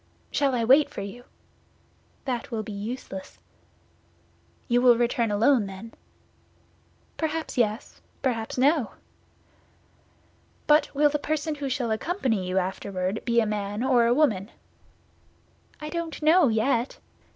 "Shall I wait for you?" "That will be useless." "You will return alone, then?" "Perhaps yes, perhaps no." "But will the person who shall accompany you afterward be a man or a woman?" "I don't know yet."